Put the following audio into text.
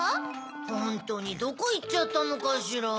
ほんとにどこいっちゃったのかしら？